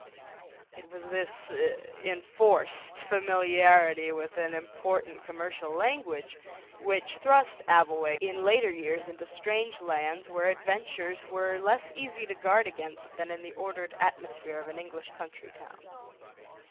It was this enforced familiarity with an important commercial language which thrust Abbleway in later years into strange lands where adventures were less easy to guard against than in the ordered atmosphere of an English country town.